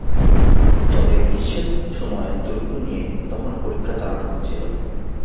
তবে, গ্রীষ্মের সময়ের দৈর্ঘ্য নিয়ে তখনও পরীক্ষা চালানো হচ্ছিল।